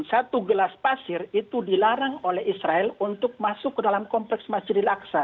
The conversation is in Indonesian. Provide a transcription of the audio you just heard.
satu gelas pasir itu dilarang oleh israel untuk masuk ke dalam kompleks masjid al aqsa